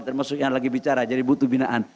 termasuk yang lagi bicara jadi butuh binaan